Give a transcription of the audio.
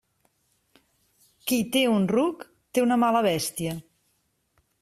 Qui té un ruc, té una mala bèstia.